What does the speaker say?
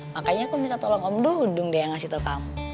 makanya aku minta tolong om dulu udung deh yang ngasih tau kamu